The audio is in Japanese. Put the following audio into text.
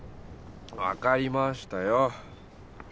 わかりましたよ。